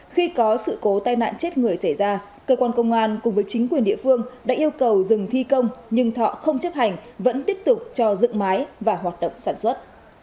khi có sự cố tai nạn chết người xảy ra cơ quan công an cùng với chính quyền địa phương đã yêu cầu dừng thi công nhưng thọ không chấp hành vẫn tiếp tục cho dựng mái và hoạt động sản xuất